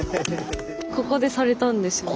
ここでされたんですよね。